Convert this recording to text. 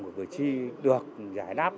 của cử tri được giải đáp